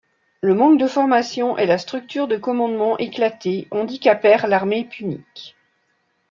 Le manque de formation et la structure de commandement éclatée handicapèrent l'armée punique.